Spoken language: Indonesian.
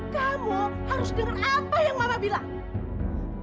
kamu harus dengar apa yang mama bilang